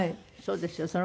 そうですよ。